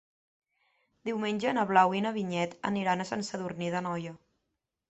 Diumenge na Blau i na Vinyet aniran a Sant Sadurní d'Anoia.